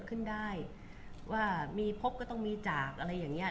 บุ๋มประดาษดาก็มีคนมาให้กำลังใจเยอะ